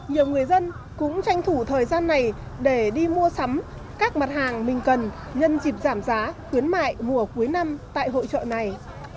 nhiều người dân cũng tranh thủ thời gian này để đi mua sắm các mặt hàng mình cần nhân dịp giảm giá khuyến mại mùa cuối năm tại hội trợ này